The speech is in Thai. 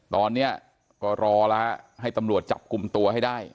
ตอนนี้ก็รอแล้วให้ตำรวจจับกลุ่มตัวให้ได้